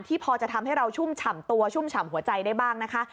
พอจะทำให้เราชุ่มฉ่ำตัวชุ่มฉ่ำหัวใจได้บ้างนะคะ